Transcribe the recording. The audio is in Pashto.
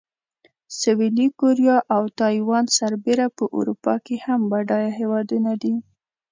سویلي کوریا او تایوان سربېره په اروپا کې هم بډایه هېوادونه دي.